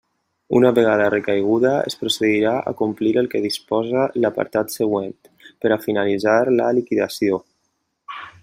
Una vegada recaiguda, es procedirà a complir el que disposa l'apartat següent, per a finalitzar la liquidació.